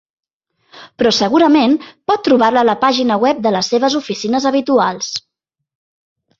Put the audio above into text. Però segurament pot trobar-la a la pàgina web de les seves oficines habituals.